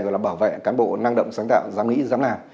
gọi là bảo vệ cán bộ năng động sáng tạo dám nghĩ dám làm